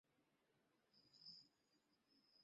আচ্ছা যাও, সমস্যা নেই।